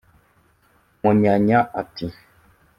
Munyanya ati